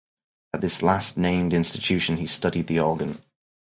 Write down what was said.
At this last-named institution, he studied the organ.